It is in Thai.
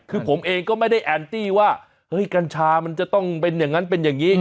คือผมเองก็ไม่ได้แอนตี้ว่าเฮ้ยกัญชามันจะต้องเป็นอย่างนั้นเป็นอย่างนี้